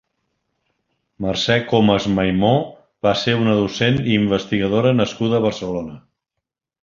Mercè Comes Maymó va ser una docent i investigadora nascuda a Barcelona.